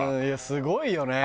すごいよね。